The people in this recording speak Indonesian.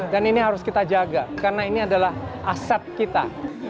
dan ini harus kita jaga karena ini adalah aset kita